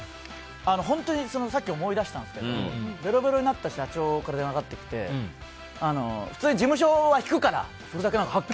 本当にさっき思い出したんですけどべろべろになった社長から電話かかってきて普通に事務所は引くからって。